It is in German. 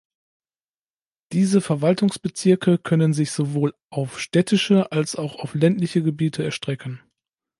Diese Verwaltungsbezirke können sich sowohl auf städtische als auch auf ländliche Gebiete erstrecken.